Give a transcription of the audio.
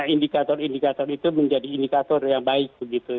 indikator indikator itu menjadi indikator yang baik begitu